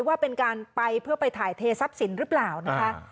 ว่าเป็นการไปเพื่อไปถ่ายเททรัพย์สินหรือเปล่านะคะ